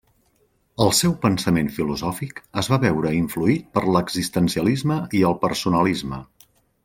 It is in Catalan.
El seu pensament filosòfic es va veure influït per l'existencialisme i el personalisme.